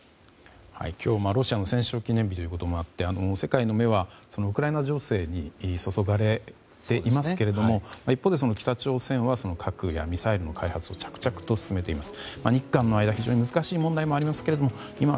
今日、ロシアの戦勝記念日ということもあって世界の目はウクライナ情勢に注がれていますけれども一方で、北朝鮮は核やミサイルの開発を着々と進めています。